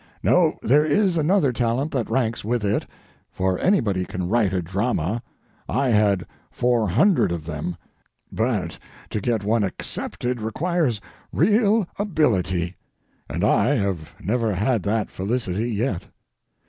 No, there is another talent that ranks with it—for anybody can write a drama—I had four hundred of them—but to get one accepted requires real ability. And I have never had that felicity yet.